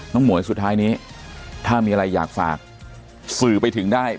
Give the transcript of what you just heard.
หมวยสุดท้ายนี้ถ้ามีอะไรอยากฝากสื่อไปถึงได้